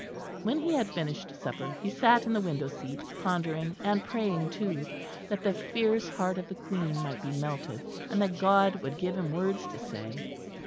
When he had finished supper he sat in the window seat, pondering and praying too that the fierce heart of the Queen might be melted, and that God would give him words to say.